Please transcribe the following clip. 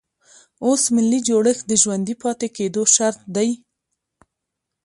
اوس ملي جوړښت د ژوندي پاتې کېدو شرط دی.